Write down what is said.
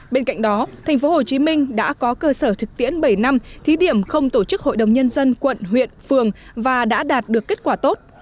bên cạnh đó tp hcm đã có cơ sở thực tiễn bảy năm thí điểm không tổ chức hội đồng nhân dân quận huyện phường và đã đạt được kết quả tốt